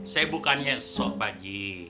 saya bukannya susah pak haji